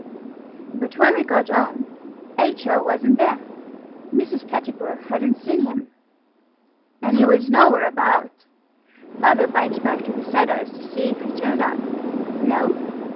But when we got home H.O. wasn't there. Mrs. Pettigrew hadn't seen him, and he was nowhere about. Father biked back to the Cedars to see if he'd turned up. No.